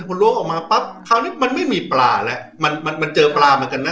พอล้วงออกมาปั๊บคราวนี้มันไม่มีปลาแล้วมันมันเจอปลาเหมือนกันนะ